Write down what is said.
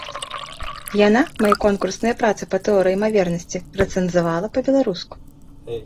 Яна мае конкурсныя працы па тэорыі імавернасці рэцэнзавала па-беларуску.